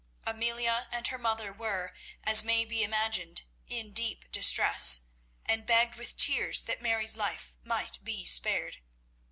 Amelia and her mother were, as may be imagined, in deep distress, and begged with tears that Mary's life might be spared.